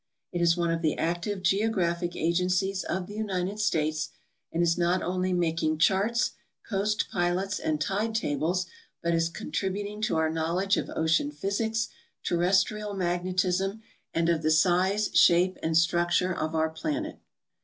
It is one of the active geographic agencies of the United States, and is not only making charts, coast pilots, and tide tables, but is contributing to our knowledge of ocean physics, terrestrial magnetism, and of the size, shape, and structure of our planet.